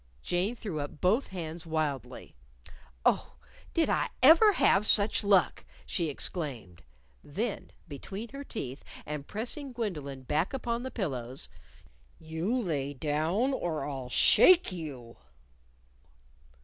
Jane threw up both hands wildly. "Oh, did I ever have such luck!" she exclaimed. Then, between her teeth, and pressing Gwendolyn back upon the pillows, "You lay down or I'll shake you!"